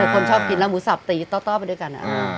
คนชอบกินแล้วหมูสับตีต้อไปด้วยกัน